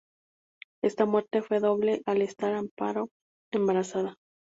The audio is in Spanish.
Esta muerte fue doble al estar Amparo embarazada.